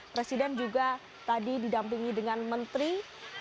presiden juga tadi didampingi dengan perubahan yang telah dilakukan oleh tim basarnas